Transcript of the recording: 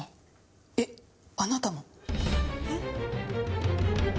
えっあなたも？えっ？